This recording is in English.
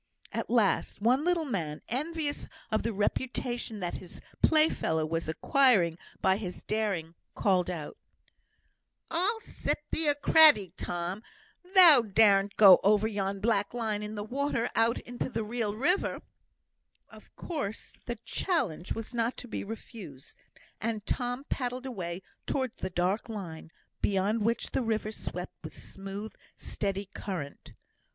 At last, one little man, envious of the reputation that his playfellow was acquiring by his daring, called out: "I'll set thee a craddy, Tom! Thou dar'n't go over yon black line in the water, out into the real river." Of course the challenge was not to be refused, and Tom paddled away towards the dark line, beyond which the river swept with smooth, steady current.